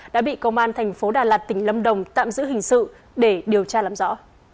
đã bị công an tp đà lạt tỉnh lâm đồng tạm giữ hình sự để điều tra làm rõ